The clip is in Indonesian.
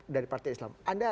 dari partai islam